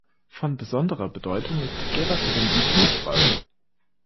Von besonderer Bedeutung ist Gehrer für den Beachhandball.